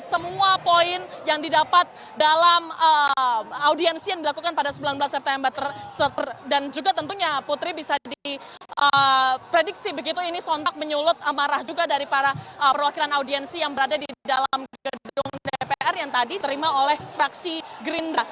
semua poin yang didapat dalam audiensi yang dilakukan pada sembilan belas september dan juga tentunya putri bisa diprediksi begitu ini sontak menyulut amarah juga dari para perwakilan audiensi yang berada di dalam gedung dpr yang tadi terima oleh fraksi gerindra